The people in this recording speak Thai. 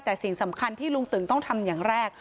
แต่สิ่งสำคัญที่ลุงตึงต้องทำอย่างแรก